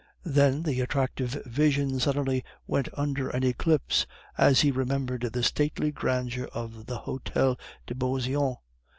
Then the attractive vision suddenly went under an eclipse as he remembered the stately grandeur of the Hotel de Beauseant.